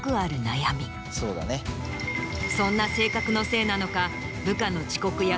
そんな性格のせいなのか。